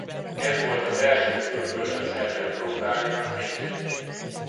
Ez volt az első külföldön szerzett trófeája edzőként.